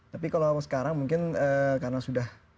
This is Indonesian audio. tapi kalau sekarang mungkin karena sudah cukup lama